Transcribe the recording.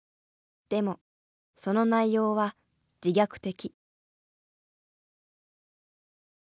でもその内容は自虐的。